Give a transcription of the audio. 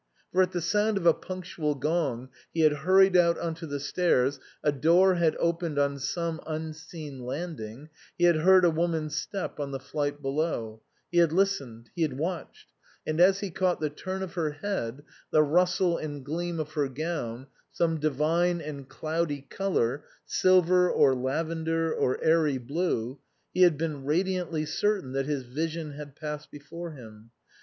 For at the sound of a punctual gong he had hurried out on to the stairs, a door had opened on some unseen landing, he had heard a woman's step on the flight below ; he had listened, he had watched, and as he caught the turn of her head, the rustle and gleam of her gown, some divine and cloudy colour, silver or lavender or airy blue, he had been radiantly certain that his vision had passed before him.